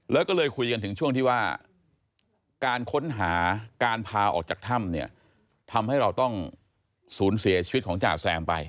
แล้วก็เลยคุยกันถึงช่วงที่ว่าการค้นหาการพาออกจากถ้ำเนี่ยทำให้เราต้องสูญเสียชีวิตของจ่าแซมไป